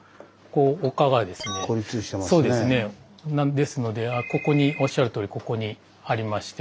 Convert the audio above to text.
ですのでおっしゃるとおりここにありまして。